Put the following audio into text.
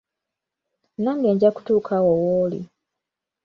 Nange nja kutuuka awo w’oli.